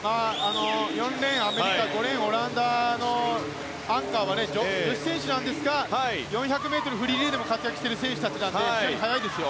４レーン、アメリカ５レーン、オランダのアンカーは女子選手なんですが４００ｍフリーリレーでも活躍している選手たちなので非常に速いですよ。